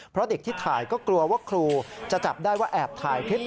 เพราะเด็กที่ถ่ายก็กลัวว่าครูจะจับได้ว่าแอบถ่ายคลิป